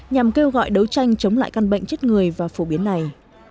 nhằm kêu gọi đấu tranh chống lại căn bệnh chết người và phổ biến này